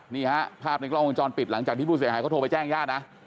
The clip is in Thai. นี่ฮะภาพในกล้องวงจรปิดหลังจากที่ผู้เสียหายเขาโทรไปแจ้งญาตินะ